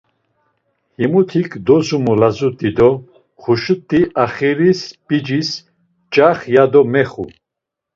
Himutik dozumu lazut̆i do Xuşut̆i axiri p̆icis ç̆ax ya do mexu.